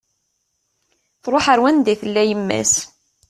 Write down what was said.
Truḥ ar wanda i tella yemma-s